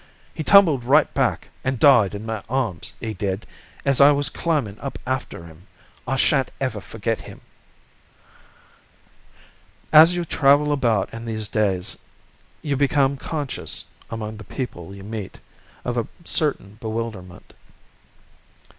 He tumbled right back and died in my arms, 'e did, as I was climbin' up after 'im. I shan't ever forget 'im." As you travel about in these days you become conscious, among the people you meet, of a certain bewilderment.